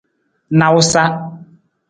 Nawusa.